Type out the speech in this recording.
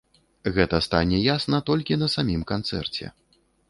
Гэта стане ясна толькі на самім канцэрце.